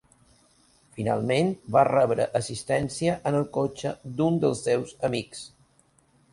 Finalment va rebre assistència en el cotxe d'un dels seus amics.